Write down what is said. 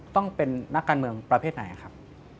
ต้องเป็นนักการเมืองประเภทไหนครับ